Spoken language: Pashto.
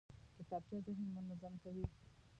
کتابچه ذهن منظم کوي